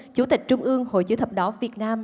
chủ tịch trung ương hội chữ thập đỏ việt nam